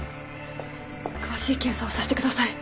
詳しい検査をさせてください。